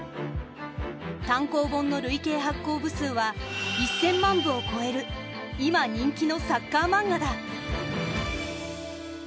単行本の累計発行部数は１，０００万部を超える今人気のサッカーマンガだ。